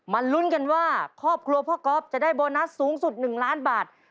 ลุ้นกันว่าครอบครัวพ่อก๊อฟจะได้โบนัสสูงสุด๑ล้านบาท